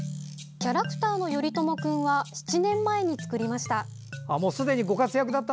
キャラクターのヨリトモくんは７年前に作りました。